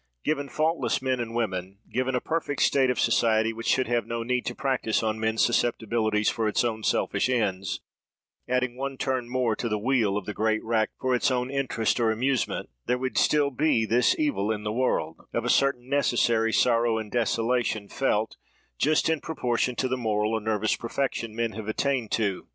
Given faultless men and women, given a perfect state of society which should have no need to practise on men's susceptibilities for its own selfish ends, adding one turn more to the wheel of the great rack for its own interest or amusement, there would still be this evil in the world, of a certain necessary sorrow and desolation, felt, just in proportion to the moral, or nervous perfection men have attained to.